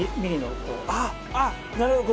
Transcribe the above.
あっなるほど。